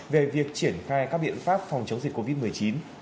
về việc triển khai các biện pháp phòng chống dịch covid một mươi chín